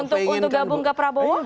untuk gabung ke prabowo